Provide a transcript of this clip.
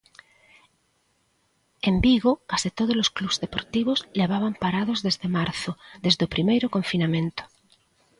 En Vigo case tódolos clubs deportivos levaban parados desde marzo, desde o primeiro confinamento.